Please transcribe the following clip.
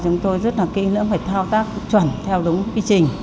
chúng tôi rất là kỹ lưỡng phải thao tác chuẩn theo đúng quy trình